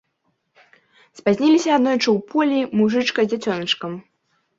Спазнілася аднойчы ў полі мужычка з дзіцёначкам.